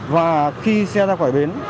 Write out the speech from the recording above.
và khi xe ra khỏi bến